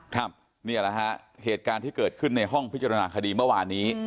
นี่แหละฮะเหตุการณ์ที่เกิดขึ้นในห้องพิจารณาคดีเมื่อวานนี้